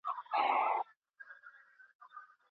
که کډوالو ته خیمې ورکړل سي، نو هغوی بې سرپناه نه پاته کیږي.